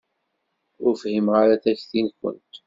Ur fhimeɣ ara takti-nkent.